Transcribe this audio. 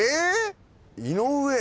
井上。